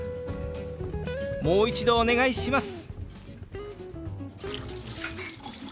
「もう一度お願いします」。